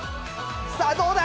さぁどうだ